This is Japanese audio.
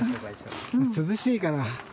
涼しいから。